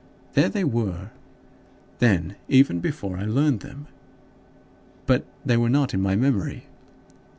There they were, then, even before I learned them, but they were not in my memory.